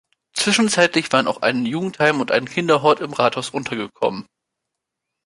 Zwischenzeitlich waren auch ein Jugendheim und ein Kinderhort im Rathaus untergekommen.